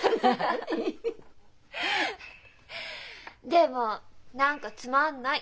でも何かつまんない。